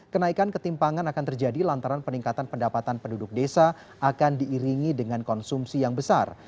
kenaikan ketimpangan akan terjadi lantaran peningkatan pendapatan penduduk desa akan diiringi dengan konsumsi yang besar